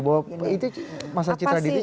bahwa itu masalah citra diri jadi